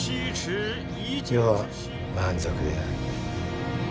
余は満足である。